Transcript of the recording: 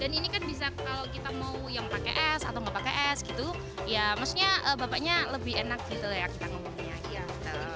dan ini kan bisa kalau kita mau yang pakai es atau nggak pakai es gitu ya maksudnya bapaknya lebih enak gitu ya kita ngomongnya